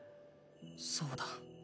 そうだ。